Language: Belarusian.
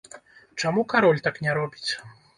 Чаму кароль так не робіць?